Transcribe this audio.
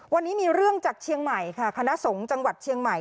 วันนี้มีเรื่องจากเชียงใหม่ค่ะคณะสงฆ์จังหวัดเชียงใหม่